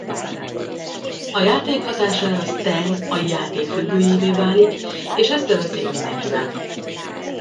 A játék hatására Stan a játék függőjévé válik és összeveszik mindenkivel.